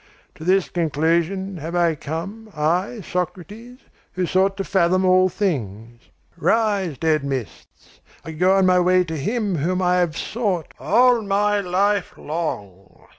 To this conclusion have I come, I, Socrates, who sought to fathom all things. Rise, dead mists, I go my way to Him whom I have sought all my life long!"